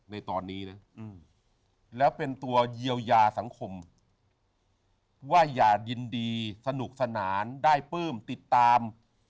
ในตอนนี้นะแล้วเป็นตัวเยียวยาสังคมว่าอย่ายินดีสนุกสนานได้ปลื้มติดตาม